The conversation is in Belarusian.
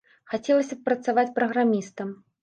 Хацелася б працаваць праграмістам.